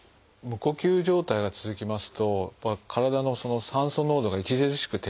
無呼吸状態が続きますと体の酸素濃度が著しく低下します。